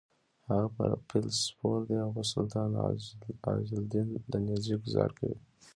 هغه په فیل سپور دی او په سلطان معزالدین د نېزې ګوزار کوي: